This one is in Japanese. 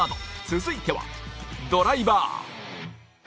続いては、ドライバー。